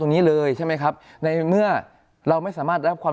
ดินเพิ่มเติม